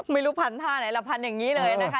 ไม่รู้พันท่าไหนล่ะพันอย่างนี้เลยนะคะ